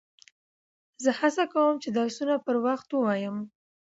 زه هڅه کوم، چي درسونه پر وخت ووایم.